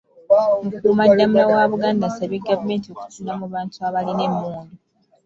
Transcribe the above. Mukuumaddamula wa Buganda asabye gavumenti okutunula mu bantu abalina emmundu.